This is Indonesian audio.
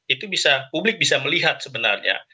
itu bisa publik bisa melihat sebenarnya